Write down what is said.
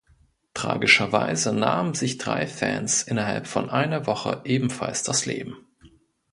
Tragischerweise nahmen sich drei Fans innerhalb von einer Woche ebenfalls das Leben.